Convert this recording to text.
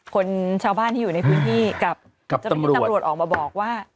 คนชาวบ้านที่อยู่ในพื้นที่กับตำรวจออกมาบอกว่า